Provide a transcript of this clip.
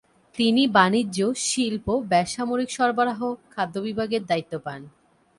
তিনি বাণিজ্য, শিল্প, বেসামরিক সরবরাহ, খাদ্য বিভাগের দায়িত্ব পান।